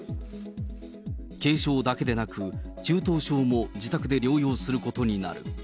軽症だけでなく、中等症も自宅で療養することになる。